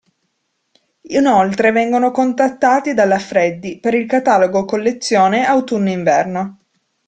Inoltre vengono contattati dalla “Freddy” per il catalogo collezione autunno-inverno.